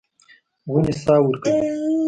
ونې سا ورکوي.